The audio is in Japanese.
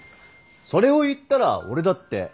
それを言ったら俺だって。